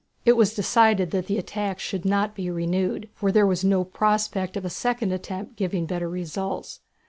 It was decided that the attack should not be renewed, for there was no prospect of a second attempt giving better results.